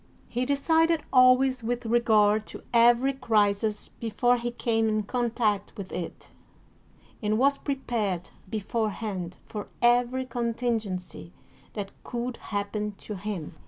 He decided always with regard to every crisis before he came in contact with it, and was prepared beforehand for every contingency that could happen to him.